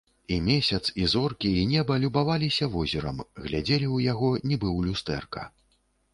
І месяц, і зоркі, і неба любаваліся возерам, глядзелі ў яго, нібы ў люстэрка.